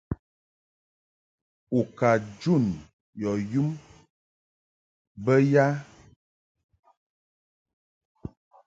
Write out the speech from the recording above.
U ka jun yɔ yum bə ya?